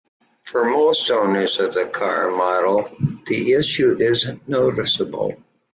For most owners of the car model, the issue isn't noticeable.